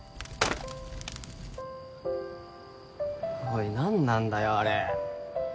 おい何なんだよあれ。